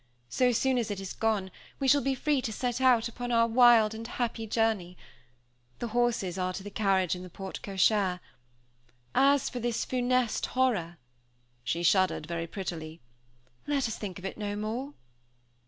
So soon as it is gone, we shall be free to set out upon our wild and happy journey. The horses are to the carriage in the porte cochère. As for this funeste horror" (she shuddered very prettily), "let us think of it no more."